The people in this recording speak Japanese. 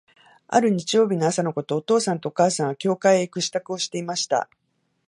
ある日曜日の朝のこと、お父さんとお母さんは、教会へ行く支度をしていました。